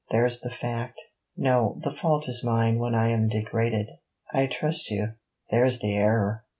There's the fact.' 'No; the fault is mine when I am degraded. I trust you: there's the error.'